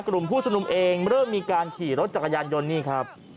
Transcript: กลุ่มผู้ชมนุมเองเริ่มมีการขี่รถจักรยานยนต์นี่ครับ